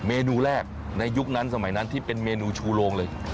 เมนูแรกในยุคนั้นสมัยนั้นที่เป็นเมนูชูโรงเลย